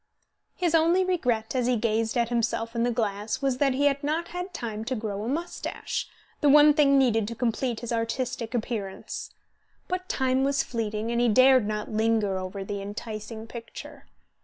His only regret, as he gazed at himself in the glass was that he had not had time to grow a moustache, the one thing needed to complete his artistic appearance. But time was fleeting, and he dared not linger over the enticing picture.